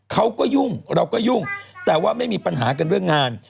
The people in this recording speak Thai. เขาก็ยุ่งเราก็ยุ่งแต่ว่าไม่มีปัญหากันเรื่องงาน